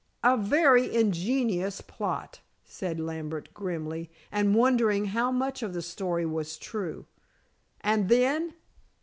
"A very ingenious plot," said Lambert grimly and wondering how much of the story was true. "And then?"